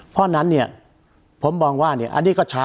เพราะ่นนั้น